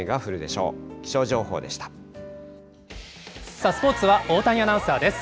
さあ、スポーツは大谷アナウンサーです。